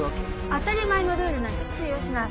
・当たり前のルールなんて通用しない